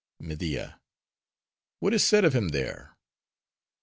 MEDIA—What is said of him there?